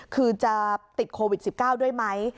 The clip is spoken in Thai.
คือจะติดโควิด๑๙ด้วยไหม